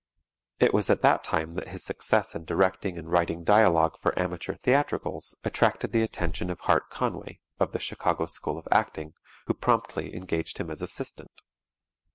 It was at that time that his success in directing and writing dialogue for amateur theatricals attracted the attention of Hart Conway, of the Chicago School of Acting, who promptly engaged him as assistant.